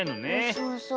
そうそう。